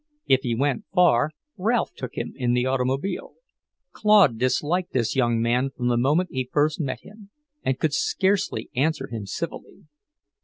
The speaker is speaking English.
If he went far, Ralph took him in the automobile. Claude disliked this young man from the moment he first met him, and could scarcely answer him civilly.